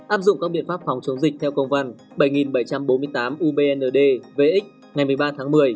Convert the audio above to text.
áp dụng các biện pháp phòng chống dịch theo công văn bảy nghìn bảy trăm bốn mươi tám ubndvx ngày một mươi ba tháng một mươi